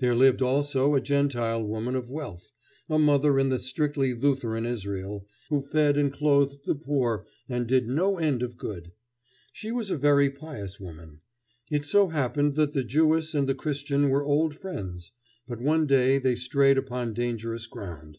There lived also a Gentile woman of wealth, a mother in the strictly Lutheran Israel, who fed and clothed the poor and did no end of good. She was a very pious woman. It so happened that the Jewess and the Christian were old friends. But one day they strayed upon dangerous ground.